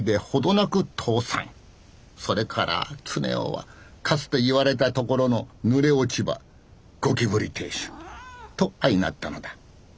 それから常雄はかつて言われたところの濡れ落ち葉ゴキブリ亭主と相成ったのだ。